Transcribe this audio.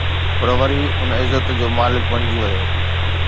پر وري ان عزت جو مالڪ بڻجي ويو